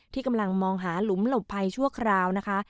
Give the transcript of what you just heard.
กำลังมองหาหลุมหลบภัยชั่วคราวนะคะ